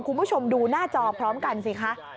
คุณผู้ชมดูหน้าจอพร้อมกันสิคะ